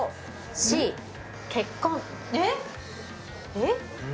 えっ？